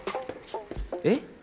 えっ？